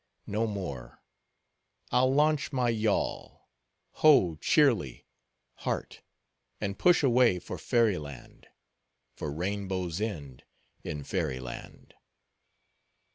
No more; I'll launch my yawl—ho, cheerly, heart! and push away for fairy land—for rainbow's end, in fairy land.